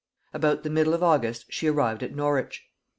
About the middle of August she arrived at Norwich.